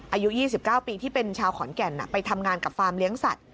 อายุ๒๙ปีที่เป็นชาวขอนแก่นไปทำงานกับฟาร์มเลี้ยงสัตว